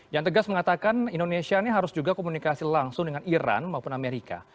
yang tegas mengatakan indonesia ini harus juga komunikasi langsung dengan iran maupun amerika